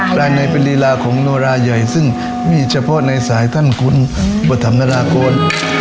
กรายนัยเป็นฤลาของโนราใหญ่ซึ่งมีเฉพาะในสายท่านคุณบทธรรมนราโค้น